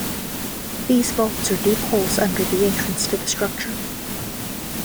These vaults are deep holes under the entrance to the structure.